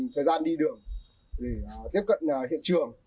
thời gian đi đường để tiếp cận hiện trường